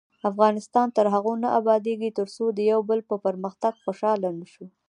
افغانستان تر هغو نه ابادیږي، ترڅو د یو بل په پرمختګ خوشحاله نشو.